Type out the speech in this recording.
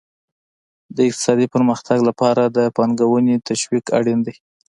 د اقتصادي پرمختګ لپاره د پانګونې تشویق اړین دی.